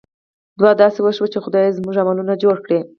دعا داسې وشوه چې خدایه! زموږ عملونه جوړ کړې.